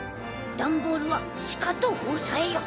「ダンボールはしかとおさえよ！」。